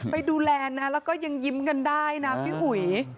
ไปดูแลนะแล้วก็ยังยิ้มกันได้นะพี่อุ๋ย